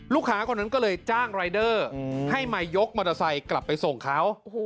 คนนั้นก็เลยจ้างรายเดอร์ให้มายกมอเตอร์ไซค์กลับไปส่งเขา